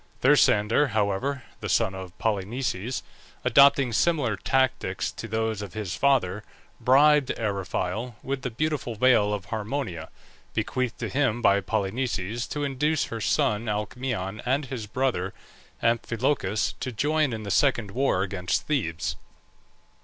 Thersander, however, the son of Polynices, adopting similar tactics to those of his father, bribed Eriphyle with the beautiful veil of Harmonia, bequeathed to him by Polynices, to induce her son Alcmaeon and his brother Amphilochus to join in this second war against Thebes.